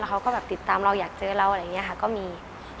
เขาก็แบบติดตามเราอยากเจอเราอะไรอย่างนี้ค่ะก็มี